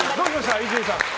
伊集院さん。